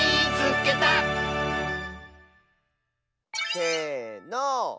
せの。